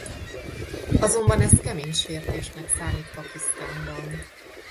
Azonban ez kemény sértésnek számít Pakisztánban.